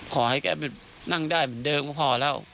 ขอให้แกไปนั่งได้เหมือนเดิมก็พอแล้ว